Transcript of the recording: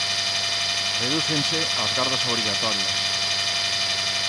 Redúcense as gardas obrigatorias.